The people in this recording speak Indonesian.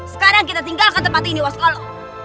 sekarang kita tinggalkan tempat ini waskolo